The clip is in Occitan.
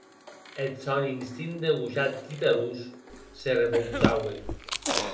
Eth sòn instint de gojat guiterós se revoutaue.